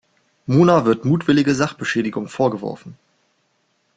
Mona wird mutwillige Sachbeschädigung vorgeworfen.